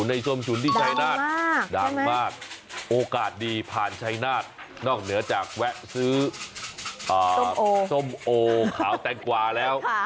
ส้มฉุนที่ชายนาฏดังมากโอกาสดีผ่านชายนาฏนอกเหนือจากแวะซื้อส้มโอขาวแตงกวาแล้ว